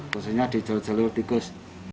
khususnya di jalur jalur tikus